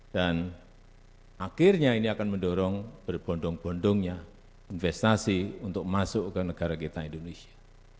dan akhirnya ini akan mendorong berbondong bondongnya investasi untuk masuk ke negara kita indonesia